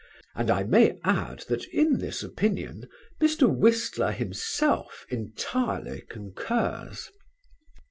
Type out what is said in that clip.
And I may add that in this opinion Mr. Whistler himself entirely concurs."